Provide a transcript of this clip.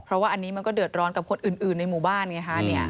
เพราะว่าอันนี้มันก็เดือดร้อนกับคนอื่นในหมู่บ้านไงฮะ